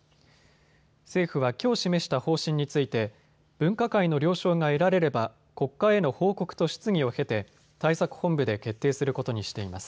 政府はきょう示した方針について分科会の了承が得られれば国会への報告と質疑を経て対策本部で決定することにしています。